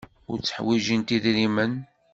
Ur tteḥwijint idrimen.